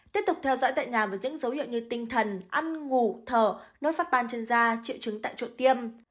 tiếp tục theo dõi tại nhà với những dấu hiệu như tinh thần ăn ngủ thở nốt phát ban trên da triệu chứng tại chỗ tiêm